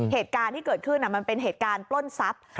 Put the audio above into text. เหตุการณ์ที่เกิดขึ้นมันเป็นเหตุการณ์ปล้นทรัพย์